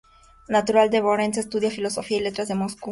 Natural de Vorónezh, estudia Filosofía y Letras en Moscú.